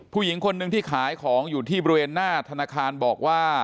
ผู้หญิงคนหนึ่งที่ขายของอยู่ที่บริเวณหน้าธนาคารบอกว่า